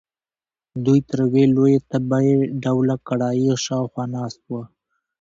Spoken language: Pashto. دوی تر یوې لویې تبۍ ډوله کړایۍ شاخوا ناست وو.